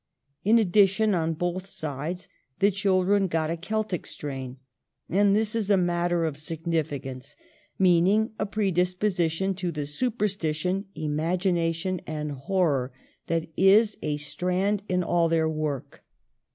In addition, on both sides, the children got a Celtic strain ; and this is a matter of signifi cance, meaning a predisposition to the supersti tion, imagination, and horror that is a strand in all their work.